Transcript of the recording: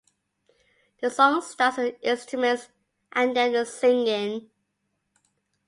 The song starts with the instruments, and then the singing.